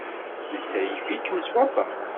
Netta yif-ikem s waṭas.